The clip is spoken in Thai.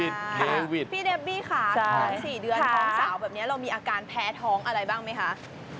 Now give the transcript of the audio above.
พี่เดบบี้ค่ะ๒๔เดือนท้องสาวแบบนี้เรามีอาการแพ้ท้องอะไรบ้างไหมคะ